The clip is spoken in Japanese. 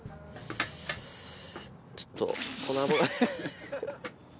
ちょっとこの。